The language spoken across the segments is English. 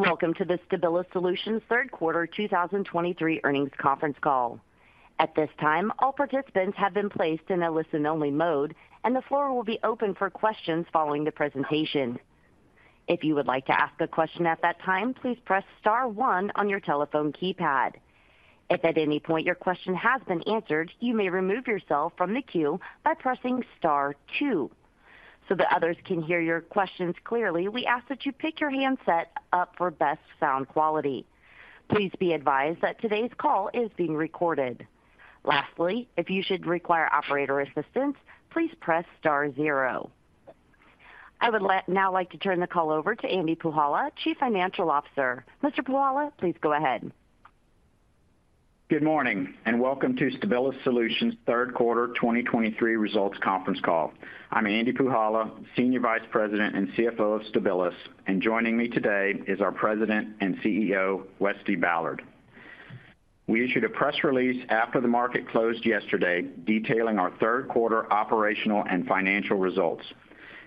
Welcome to the Stabilis Solutions Third Quarter 2023 Earnings Conference Call. At this time, all participants have been placed in a listen-only mode, and the floor will be open for questions following the presentation. If you would like to ask a question at that time, please press star one on your telephone keypad. If at any point your question has been answered, you may remove yourself from the queue by pressing star two. So that others can hear your questions clearly, we ask that you pick your handset up for best sound quality. Please be advised that today's call is being recorded. Lastly, if you should require operator assistance, please press star zero. I would now like to turn the call over to Andy Puhala, Chief Financial Officer. Mr. Puhala, please go ahead. Good morning, and welcome to Stabilis Solutions Third Quarter 2023 Results Conference Call. I'm Andy Puhala, Senior Vice President and CFO of Stabilis, and joining me today is our President and CEO, Westy Ballard. We issued a press release after the market closed yesterday, detailing our third quarter operational and financial results.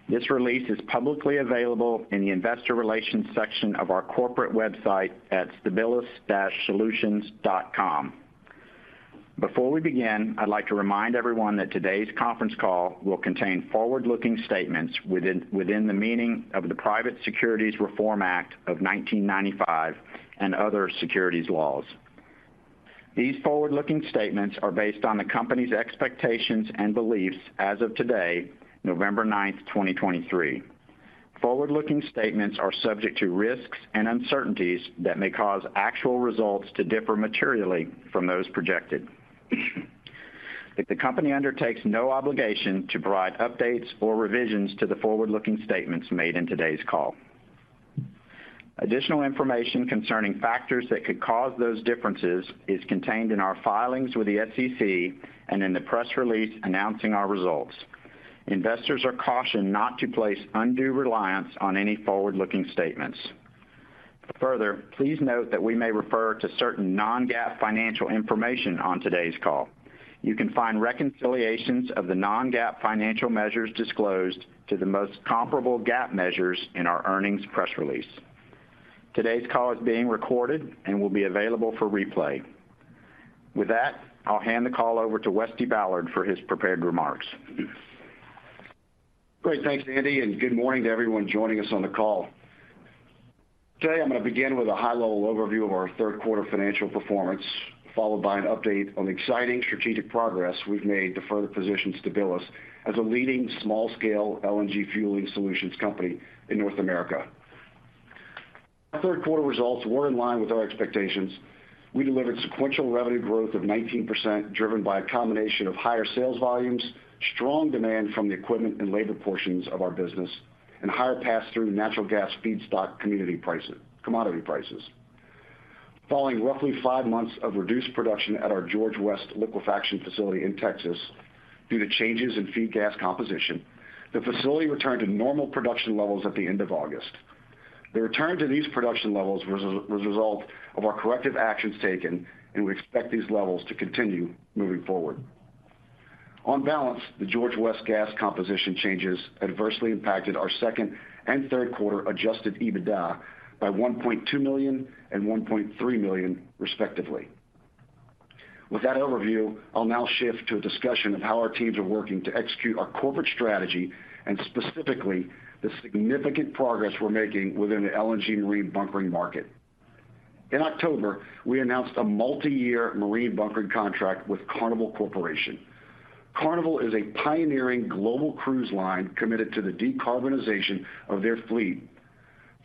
This release is publicly available in the investor relations section of our corporate website at stabilis-solutions.com. Before we begin, I'd like to remind everyone that today's conference call will contain forward-looking statements within the meaning of the Private Securities Reform Act of 1995 and other securities laws. These forward-looking statements are based on the company's expectations and beliefs as of today, November 9, 2023. Forward-looking statements are subject to risks and uncertainties that may cause actual results to differ materially from those projected. The company undertakes no obligation to provide updates or revisions to the forward-looking statements made in today's call. Additional information concerning factors that could cause those differences is contained in our filings with the SEC and in the press release announcing our results. Investors are cautioned not to place undue reliance on any forward-looking statements. Further, please note that we may refer to certain non-GAAP financial information on today's call. You can find reconciliations of the non-GAAP financial measures disclosed to the most comparable GAAP measures in our earnings press release. Today's call is being recorded and will be available for replay. With that, I'll hand the call over to Westy Ballard for his prepared remarks. Great. Thanks, Andy, and good morning to everyone joining us on the call. Today, I'm going to begin with a high-level overview of our third quarter financial performance, followed by an update on the exciting strategic progress we've made to further position Stabilis as a leading small-scale LNG fueling solutions company in North America. Our third quarter results were in line with our expectations. We delivered sequential revenue growth of 19%, driven by a combination of higher sales volumes, strong demand from the equipment and labor portions of our business, and higher pass-through natural gas feedstock commodity prices, commodity prices. Following roughly five months of reduced production at our George West liquefaction facility in Texas due to changes in feed gas composition, the facility returned to normal production levels at the end of August. The return to these production levels was a result of our corrective actions taken, and we expect these levels to continue moving forward. On balance, the George West gas composition changes adversely impacted our second and third quarter adjusted EBITDA by $1.2 million and $1.3 million, respectively. With that overview, I'll now shift to a discussion of how our teams are working to execute our corporate strategy and specifically, the significant progress we're making within the LNG marine bunkering market. In October, we announced a multiyear marine bunkering contract with Carnival Corporation. Carnival is a pioneering global cruise line committed to the decarbonization of their fleet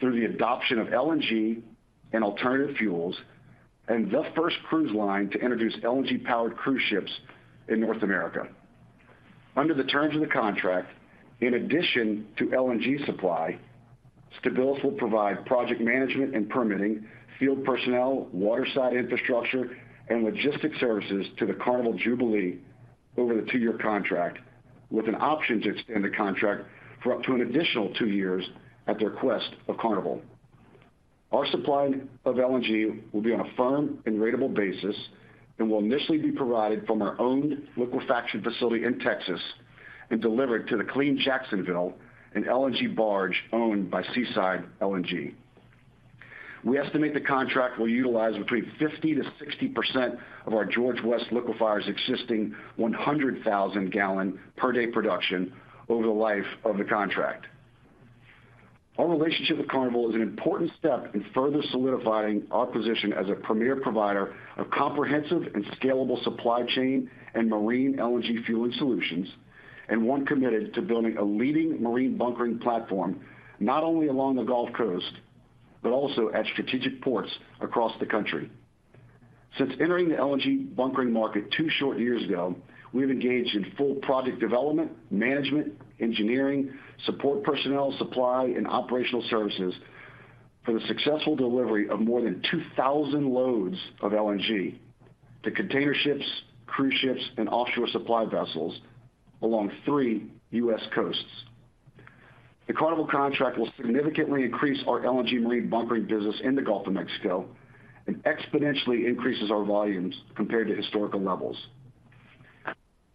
through the adoption of LNG and alternative fuels, and the first cruise line to introduce LNG-powered cruise ships in North America. Under the terms of the contract, in addition to LNG supply, Stabilis will provide project management and permitting, field personnel, waterside infrastructure, and logistic services to the Carnival Jubilee over the two-year contract, with an option to extend the contract for up to an additional two years at the request of Carnival. Our supply of LNG will be on a firm and ratable basis and will initially be provided from our owned liquefaction facility in Texas and delivered to the Clean Jacksonville, an LNG barge owned by Seaside LNG. We estimate the contract will utilize between 50%-60% of our George West liquefier's existing 100,000 gal per day production over the life of the contract. Our relationship with Carnival is an important step in further solidifying our position as a premier provider of comprehensive and scalable supply chain and marine LNG fueling solutions, and one committed to building a leading marine bunkering platform, not only along the Gulf Coast, but also at strategic ports across the country. Since entering the LNG bunkering market two short years ago, we have engaged in full project development, management, engineering, support personnel, supply, and operational services for the successful delivery of more than 2,000 loads of LNG to container ships, cruise ships, and offshore supply vessels along three U.S. coasts. The Carnival contract will significantly increase our LNG marine bunkering business in the Gulf of Mexico and exponentially increases our volumes compared to historical levels....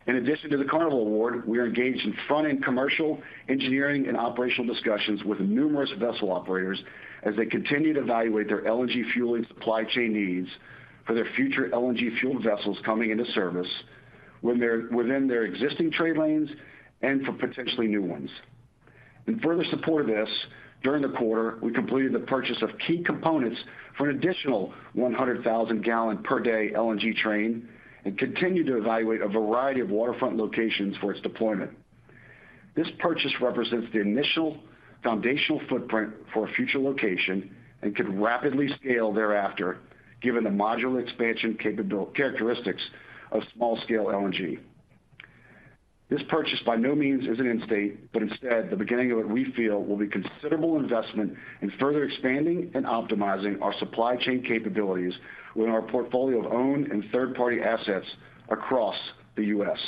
In addition to the Carnival award, we are engaged in front-end commercial, engineering, and operational discussions with numerous vessel operators as they continue to evaluate their LNG fueling supply chain needs for their future LNG-fueled vessels coming into service, when they're within their existing trade lanes and for potentially new ones. In further support of this, during the quarter, we completed the purchase of key components for an additional 100,000 gal per day LNG train and continued to evaluate a variety of waterfront locations for its deployment. This purchase represents the initial foundational footprint for a future location and could rapidly scale thereafter, given the modular expansion characteristics of small-scale LNG. This purchase by no means is an end state, but instead, the beginning of what we feel will be considerable investment in further expanding and optimizing our supply chain capabilities within our portfolio of owned and third-party assets across the U.S.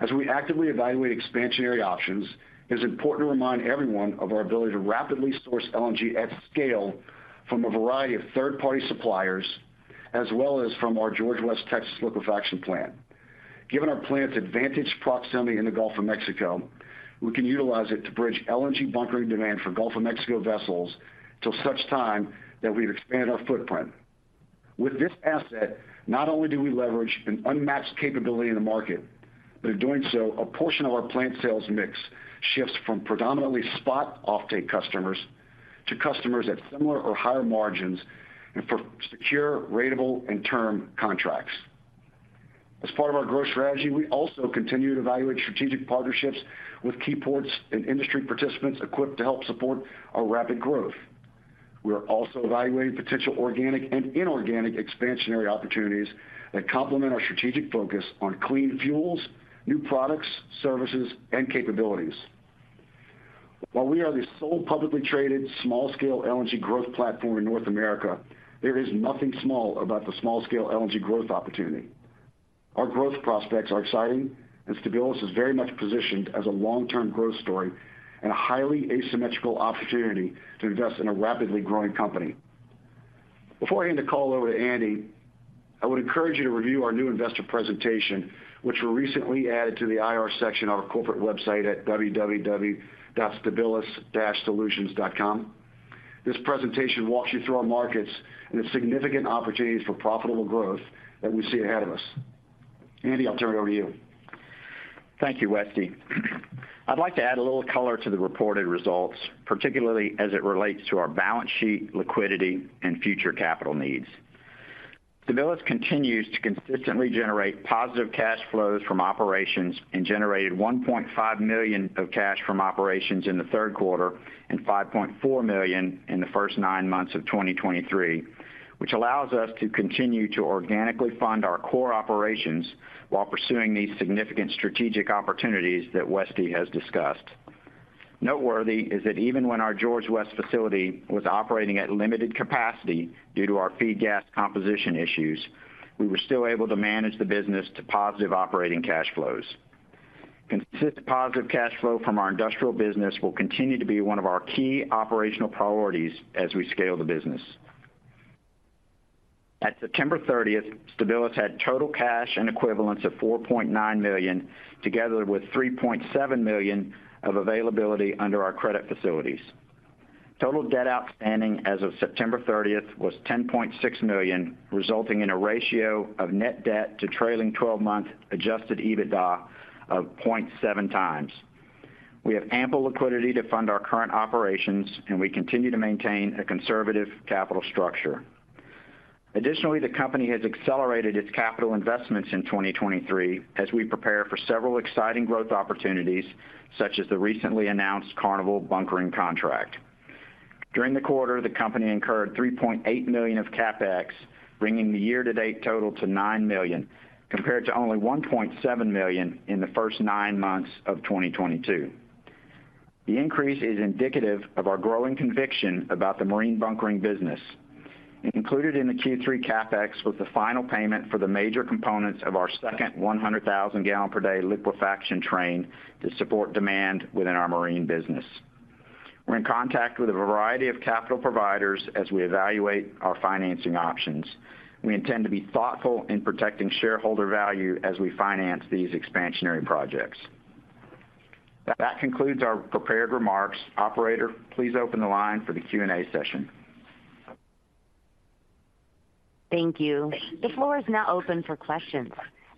As we actively evaluate expansionary options, it is important to remind everyone of our ability to rapidly source LNG at scale from a variety of third-party suppliers, as well as from our George West, Texas liquefaction plant. Given our plant's advantaged proximity in the Gulf of Mexico, we can utilize it to bridge LNG bunkering demand for Gulf of Mexico vessels till such time that we've expanded our footprint. With this asset, not only do we leverage an unmatched capability in the market, but in doing so, a portion of our plant sales mix shifts from predominantly spot offtake customers to customers at similar or higher margins, and for secure, ratable, and term contracts. As part of our growth strategy, we also continue to evaluate strategic partnerships with key ports and industry participants equipped to help support our rapid growth. We are also evaluating potential organic and inorganic expansionary opportunities that complement our strategic focus on clean fuels, new products, services, and capabilities. While we are the sole publicly traded small-scale LNG growth platform in North America, there is nothing small about the small-scale LNG growth opportunity. Our growth prospects are exciting, and Stabilis is very much positioned as a long-term growth story and a highly asymmetrical opportunity to invest in a rapidly growing company. Before I hand the call over to Andy, I would encourage you to review our new investor presentation, which were recently added to the IR section of our corporate website at www.stabilis-solutions.com. This presentation walks you through our markets and the significant opportunities for profitable growth that we see ahead of us. Andy, I'll turn it over to you. Thank you, Westy. I'd like to add a little color to the reported results, particularly as it relates to our balance sheet, liquidity, and future capital needs. Stabilis continues to consistently generate positive cash flows from operations and generated $1.5 million of cash from operations in the third quarter and $5.4 million in the first nine months of 2023, which allows us to continue to organically fund our core operations while pursuing these significant strategic opportunities that Westy has discussed. Noteworthy is that even when our George West facility was operating at limited capacity due to our feed gas composition issues, we were still able to manage the business to positive operating cash flows. Consistent positive cash flow from our industrial business will continue to be one of our key operational priorities as we scale the business. At September 30th, Stabilis had total cash and equivalents of $4.9 million, together with $3.7 million of availability under our credit facilities. Total debt outstanding as of September 30th was $10.6 million, resulting in a ratio of net debt to trailing 12-month adjusted EBITDA of 0.7x. We have ample liquidity to fund our current operations, and we continue to maintain a conservative capital structure. Additionally, the company has accelerated its capital investments in 2023 as we prepare for several exciting growth opportunities, such as the recently announced Carnival bunkering contract. During the quarter, the company incurred $3.8 million of CapEx, bringing the year-to-date total to $9 million, compared to only $1.7 million in the first nine months of 2022. The increase is indicative of our growing conviction about the marine bunkering business. Included in the Q3 CapEx was the final payment for the major components of our second 100,000 gal per day liquefaction train to support demand within our marine business. We're in contact with a variety of capital providers as we evaluate our financing options. We intend to be thoughtful in protecting shareholder value as we finance these expansionary projects. That concludes our prepared remarks. Operator, please open the line for the Q&A session. Thank you. The floor is now open for questions.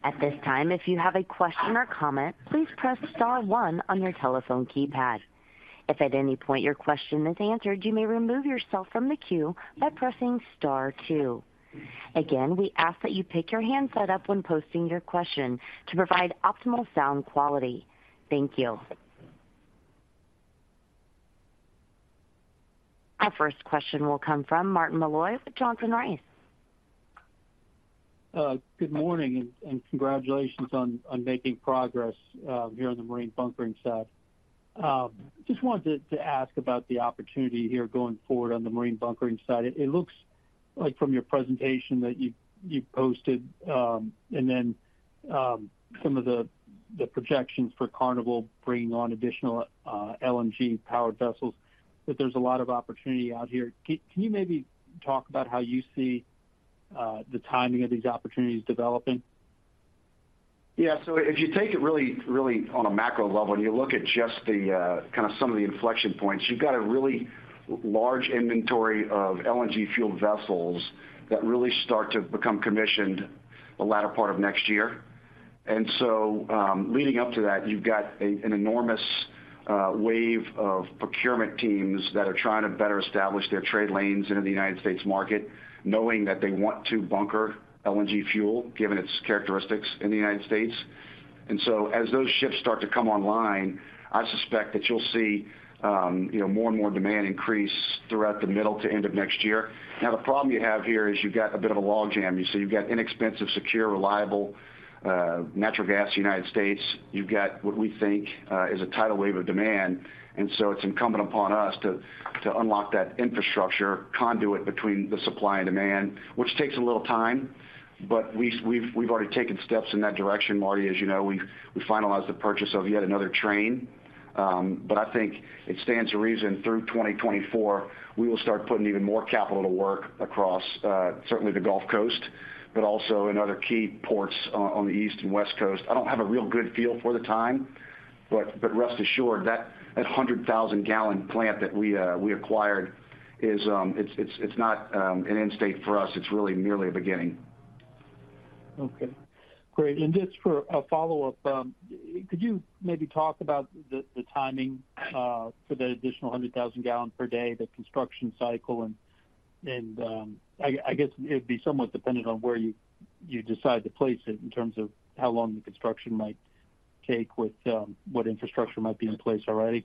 At this time, if you have a question or comment, please press star one on your telephone keypad. If at any point your question is answered, you may remove yourself from the queue by pressing star two. Again, we ask that you pick your handset up when posting your question to provide optimal sound quality. Thank you. Our first question will come from Martin Malloy with Johnson Rice. Good morning, and congratulations on making progress here on the marine bunkering side. Just wanted to ask about the opportunity here going forward on the marine bunkering side. It looks like from your presentation that you posted, and then some of the projections for Carnival bringing on additional LNG-powered vessels, that there's a lot of opportunity out here. Can you maybe talk about how you see the timing of these opportunities developing? Yeah. So if you take it really, really on a macro level, and you look at just the, kind of some of the inflection points, you've got a really large inventory of LNG fuel vessels that really start to become commissioned the latter part of next year. And so, leading up to that, you've got a, an enormous, wave of procurement teams that are trying to better establish their trade lanes into the United States market, knowing that they want to bunker LNG fuel, given its characteristics in the United States. And so, as those ships start to come online, I suspect that you'll see, you know, more and more demand increase throughout the middle to end of next year. Now, the problem you have here is you've got a bit of a logjam. You see, you've got inexpensive, secure, reliable natural gas in the United States. You've got, what we think is a tidal wave of demand, and so it's incumbent upon us to unlock that infrastructure conduit between the supply and demand, which takes a little time, but we've already taken steps in that direction, Marty. As you know, we finalized the purchase of yet another train. But I think it stands to reason through 2024, we will start putting even more capital to work across certainly the Gulf Coast, but also in other key ports on the East and West Coast. I don't have a real good feel for the time, but rest assured that that 100,000 gal plant that we acquired is not an end state for us. It's really merely a beginning. Okay, great. And just for a follow-up, could you maybe talk about the timing for the additional 100,000 gal per day, the construction cycle? And, I guess it'd be somewhat dependent on where you decide to place it in terms of how long the construction might take with what infrastructure might be in place already.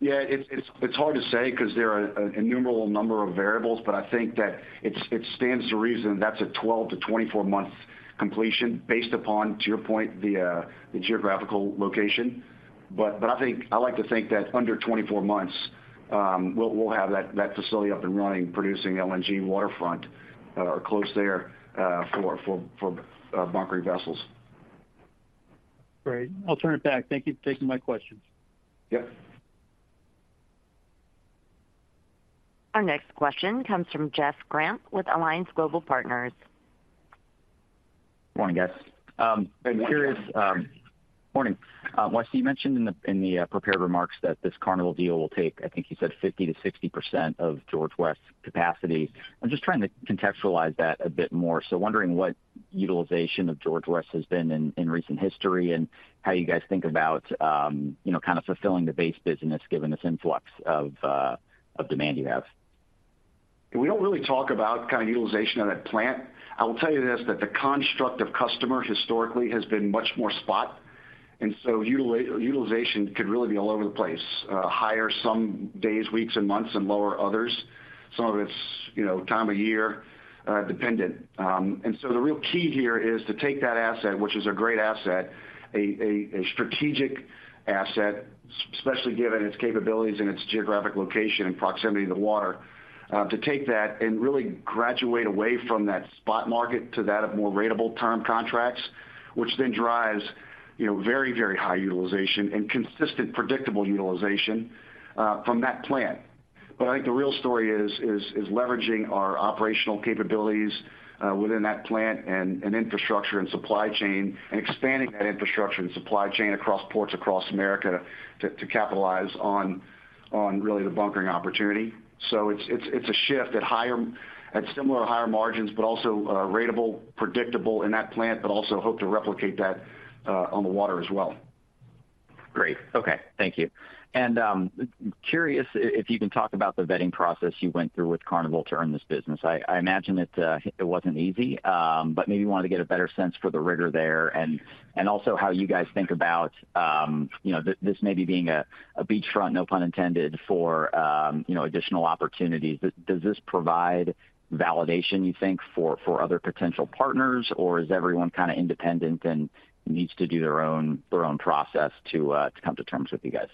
Yeah, it's hard to say 'cause there are an innumerable number of variables, but I think that it stands to reason that's a 12-24-month completion based upon, to your point, the geographical location. But I think—I like to think that under 24 months, we'll have that facility up and running, producing LNG waterfront, or close there, for bunkering vessels. Great. I'll turn it back. Thank you for taking my questions. Yep. Our next question comes from Jeff Grampp with Alliance Global Partners. Good morning, guys. Curious, Good morning. Morning. Westy, you mentioned in the prepared remarks that this Carnival deal will take, I think you said 50%-60% of George West's capacity. I'm just trying to contextualize that a bit more. So wondering what utilization of George West has been in recent history, and how you guys think about, you know, kind of fulfilling the base business, given this influx of demand you have? We don't really talk about kind of utilization of that plant. I will tell you this, that the construct of customer historically has been much more spot, and so utilization could really be all over the place. Higher some days, weeks, and months, and lower others. Some of it's, you know, time of year dependent. And so the real key here is to take that asset, which is a great asset, a strategic asset, especially given its capabilities and its geographic location and proximity to the water, to take that and really graduate away from that spot market to that of more ratable term contracts, which then drives, you know, very, very high utilization and consistent, predictable utilization from that plant. But I think the real story is leveraging our operational capabilities within that plant and infrastructure and supply chain, and expanding that infrastructure and supply chain across ports across America to capitalize on really the bunkering opportunity. So it's a shift at similar or higher margins, but also ratable, predictable in that plant, but also hope to replicate that on the water as well. Great. Okay, thank you. And curious if you can talk about the vetting process you went through with Carnival to earn this business. I imagine that it wasn't easy, but maybe wanted to get a better sense for the rigor there and also how you guys think about, you know, this maybe being a beachfront, no pun intended, for, you know, additional opportunities. Does this provide validation, you think, for other potential partners, or is everyone kind of independent and needs to do their own process to come to terms with you guys?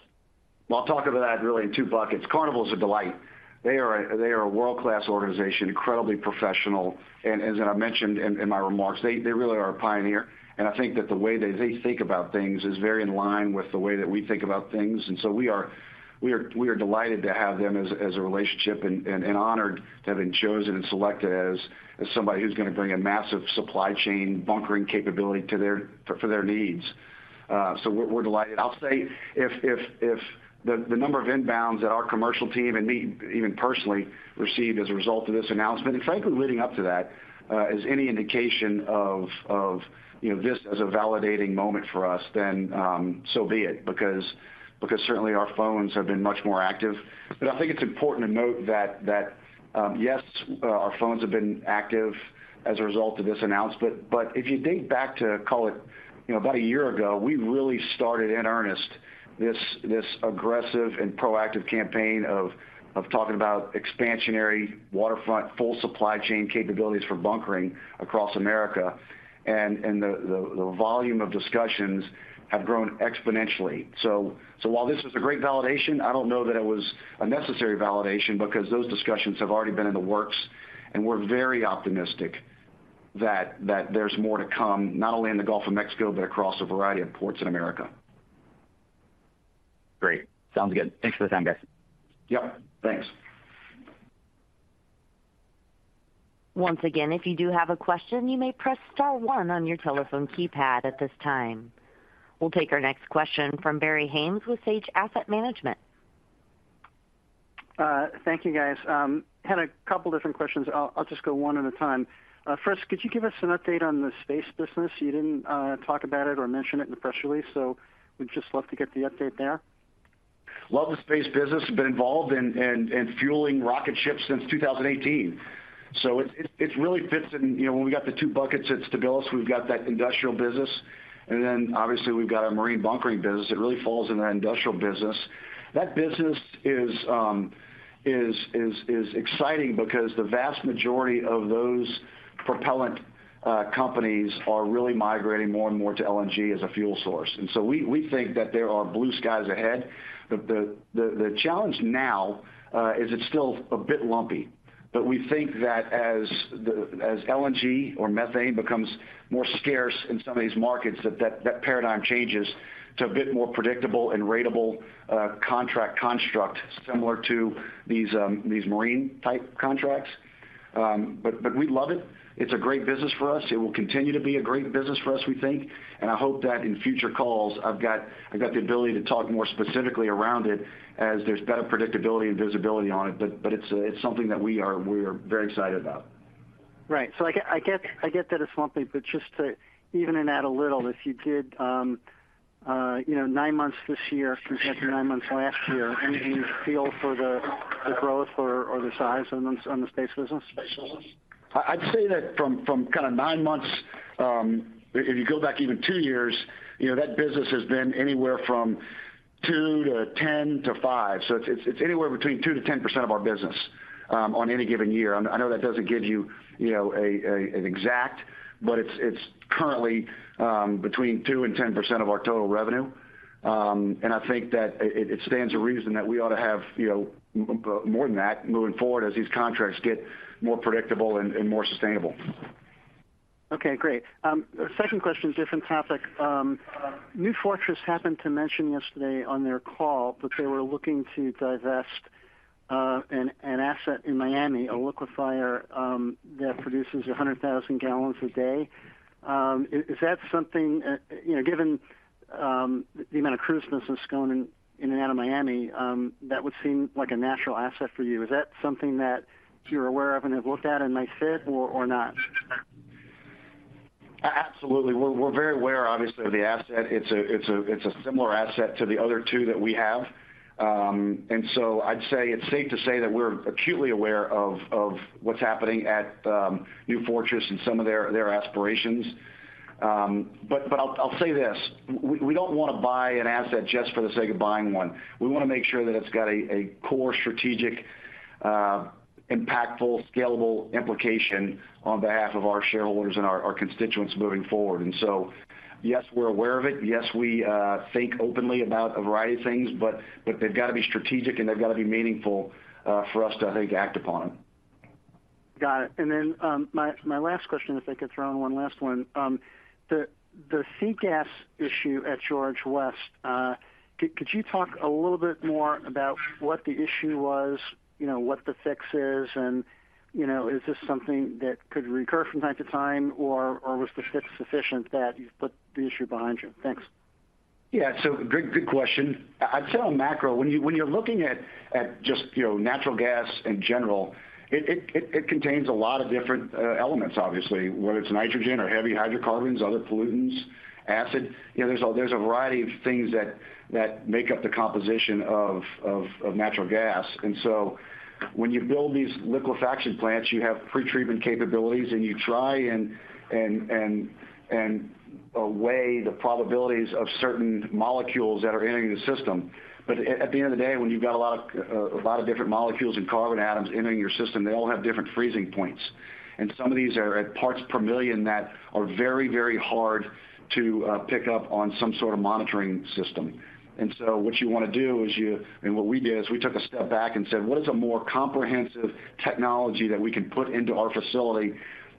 Well, I'll talk about that really in two buckets. Carnival is a delight. They are a, they are a world-class organization, incredibly professional, and as I mentioned in, in my remarks, they, they really are a pioneer. And I think that the way that they think about things is very in line with the way that we think about things. And so we are, we are, we are delighted to have them as, as a relationship and, and, and honored to have been chosen and selected as, as somebody who's going to bring a massive supply chain, bunkering capability to their—for, for their needs. So we're, we're delighted. I'll say if the number of inbounds that our commercial team and me, even personally, received as a result of this announcement, and frankly, leading up to that, is any indication of, you know, this as a validating moment for us, then, so be it, because certainly our phones have been much more active. But I think it's important to note that yes, our phones have been active as a result of this announcement, but if you think back to, call it, you know, about a year ago, we really started in earnest, this aggressive and proactive campaign of talking about expansionary waterfront, full supply chain capabilities for bunkering across America, and the volume of discussions have grown exponentially. So, while this is a great validation, I don't know that it was a necessary validation because those discussions have already been in the works, and we're very optimistic that there's more to come, not only in the Gulf of Mexico, but across a variety of ports in America. Great. Sounds good. Thanks for the time, guys. Yep, thanks. Once again, if you do have a question, you may press star one on your telephone keypad at this time. We'll take our next question from Barry Haimes with Sage Asset Management. Thank you, guys. Had a couple different questions. I'll just go one at a time. First, could you give us an update on the space business? You didn't talk about it or mention it in the press release, so we'd just love to get the update there. Love the space business. Been involved in fueling rocket ships since 2018. So it really fits in. You know, when we got the two buckets at Stabilis, we've got that industrial business, and then obviously we've got our marine bunkering business. It really falls in our industrial business. That business is exciting because the vast majority of those propellant companies are really migrating more and more to LNG as a fuel source. And so we think that there are blue skies ahead. The challenge now is it's still a bit lumpy. But we think that as LNG or methane becomes more scarce in some of these markets, that paradigm changes to a bit more predictable and ratable contract construct similar to these marine-type contracts. But we love it. It's a great business for us. It will continue to be a great business for us, we think, and I hope that in future calls, I've got the ability to talk more specifically around it as there's better predictability and visibility on it. But it's something that we are very excited about. Right. So I get, I get, I get that it's lumpy, but just to even in that a little, if you did, you know, nine months this year compared to nine months last year, any feel for the, the growth or, or the size on the, on the space business? I'd say that from kind of nine months, if you go back even two years, you know, that business has been anywhere from two to 10 to five. So it's anywhere between 2%-10% of our business on any given year. I know that doesn't give you, you know, an exact, but it's currently between 2% and 10% of our total revenue. And I think that it stands to reason that we ought to have, you know, more than that moving forward as these contracts get more predictable and more sustainable. Okay, great. Second question, different topic. New Fortress happened to mention yesterday on their call that they were looking to divest an asset in Miami, a liquefier that produces 100,000 gal a day. Is that something, you know, given the amount of cruise business going in and out of Miami, that would seem like a natural asset for you. Is that something that you're aware of and have looked at and may fit or not? Absolutely. We're very aware, obviously, of the asset. It's a similar asset to the other two that we have. And so I'd say it's safe to say that we're acutely aware of what's happening at New Fortress and some of their aspirations. But I'll say this, we don't want to buy an asset just for the sake of buying one. We want to make sure that it's got a core strategic, impactful, scalable implication on behalf of our shareholders and our constituents moving forward. And so, yes, we're aware of it. Yes, we think openly about a variety of things, but they've got to be strategic, and they've got to be meaningful for us to, I think, act upon them. Got it. And then, my last question, if I could throw in one last one. The feed gas issue at George West, could you talk a little bit more about what the issue was, you know, what the fix is, and, you know, is this something that could recur from time to time, or was the fix sufficient that you've put the issue behind you? Thanks. Yeah, so good question. I'd say on macro, when you're looking at just, you know, natural gas in general, it contains a lot of different elements, obviously, whether it's nitrogen or heavy hydrocarbons, other pollutants, acid. You know, there's a variety of things that make up the composition of natural gas. And so when you build these liquefaction plants, you have pretreatment capabilities, and you try and weigh the probabilities of certain molecules that are entering the system. But at the end of the day, when you've got a lot of different molecules and carbon atoms entering your system, they all have different freezing points. And some of these are at parts per million that are very, very hard to pick up on some sort of monitoring system. What you want to do is, and what we did is, we took a step back and said: What is a more comprehensive technology that we can put into our facility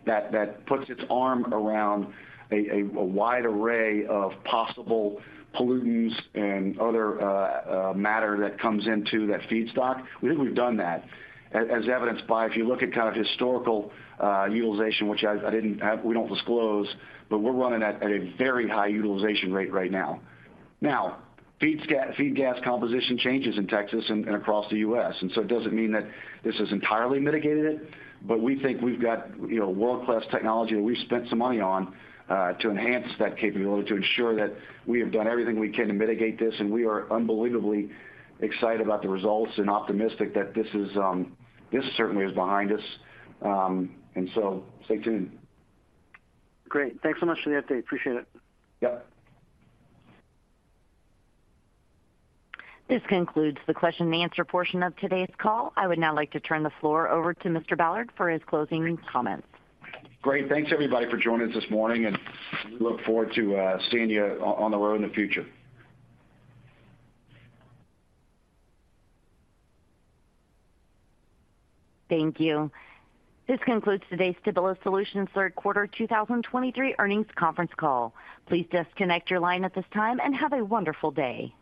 that puts its arm around a wide array of possible pollutants and other matter that comes into that feedstock? We think we've done that, as evidenced by if you look at kind of historical utilization, which I didn't have, we don't disclose, but we're running at a very high utilization rate right now. Now, feed gas composition changes in Texas and across the U.S., and so it doesn't mean that this has entirely mitigated it, but we think we've got, you know, world-class technology that we've spent some money on, to enhance that capability, to ensure that we have done everything we can to mitigate this. And we are unbelievably excited about the results and optimistic that this is, this certainly is behind us. And so stay tuned. Great. Thanks so much for the update. Appreciate it. Yep. This concludes the question and answer portion of today's call. I would now like to turn the floor over to Mr. Ballard for his closing comments. Great. Thanks, everybody, for joining us this morning, and we look forward to seeing you on the road in the future. Thank you. This concludes today's Stabilis Solutions third quarter 2023 earnings conference call. Please disconnect your line at this time and have a wonderful day.